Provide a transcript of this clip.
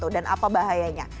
dan apa bahayanya